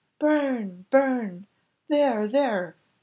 "Burn! burn! there, there!"